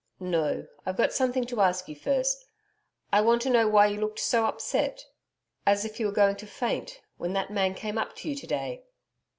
'No. I've got something to ask you first. I want to know why you looked so upset as if you were going to faint when that man came up to you to day?'